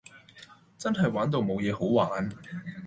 真係玩到無野好玩